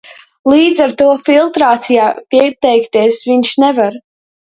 Līdz ar to filtrācijā pieteikties viņš nevar.